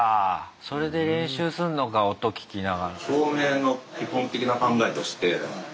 それで練習すんのか音聴きながら。